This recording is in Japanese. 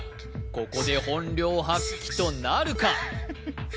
ここで本領発揮となるか？